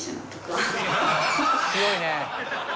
強いね。